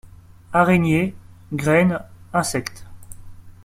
Araignées, graines, insectes.